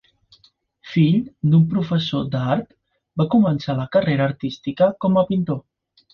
Fill d'un professor d’Art, va començar la carrera artística com a pintor.